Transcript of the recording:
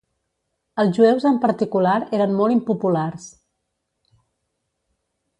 Els jueus en particular eren molt impopulars.